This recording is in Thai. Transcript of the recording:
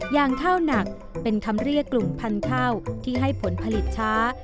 อย่างข้าวหนักเป็นคำเรียกกลุ่มพันธุ์ข้าวที่ให้ผลผลิตช้า